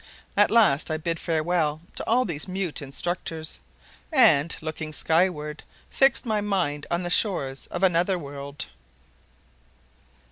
At last I bid farewell to all these mute instructors and, looking skyward, fixed my mind on the shores of another world.